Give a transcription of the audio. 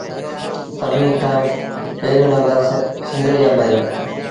سڀنيٚ کآݩ پيريوݩ نمبر سنڌڙيٚ آݩب اهي